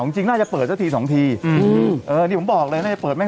จริงจริงน่าจะเปิดเศรษฐีสองทีอืมเออนี่ผมบอกเลยน่าจะเปิดแม่ง